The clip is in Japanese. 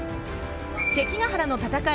関ケ原の戦い